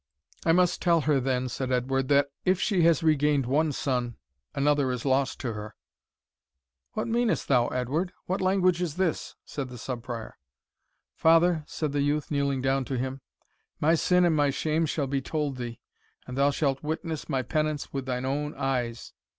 "I must tell her then," said Edward, "that if she has regained one son, another is lost to her." "What meanest thou, Edward? what language is this?" said the Sub Prior. "Father," said the youth, kneeling down to him, "my sin and my shame shall be told thee, and thou shalt witness my penance with thine own eyes."